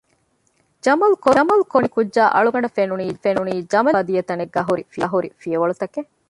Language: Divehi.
ޖަމަލު ކޮރު ކަމަށް ބުނި ކުއްޖާ އަޅުގަނޑަށް ފެނުނީ ޖަމަލެއް ހިނގާފައި ދިޔަ ތަނެއްގައި ހުރި ފިޔަވަޅުތަކެއް